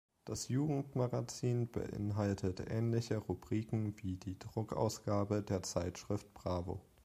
Das Jugendmagazin beinhaltete ähnliche Rubriken wie die Druckausgabe der Zeitschrift Bravo.